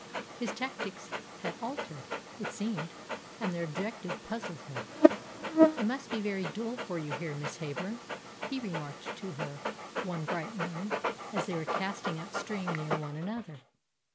His tactics had altered, it seemed, and their objective puzzled her. "It must be very dull for you here, Miss Heyburn," he remarked to her one bright morning as they were casting up stream near one another.